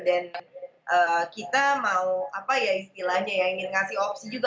dan kita mau apa ya istilahnya ya ingin ngasih opsi juga